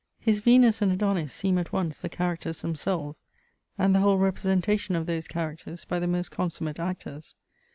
His Venus and Adonis seem at once the characters themselves, and the whole representation of those characters by the most consummate actors.